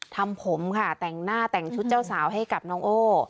ทำผมค่ะแต่งหน้าแต่งชุดเจ้าสาวให้กับน้องโอ้